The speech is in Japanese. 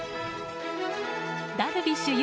ダルビッシュ有